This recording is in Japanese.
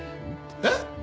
えっ！？